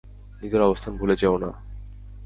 নিজের অবস্থান ভুলে যেও না।